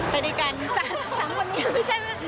ไปด้วยกันสามคนเนี่ยไม่ใช่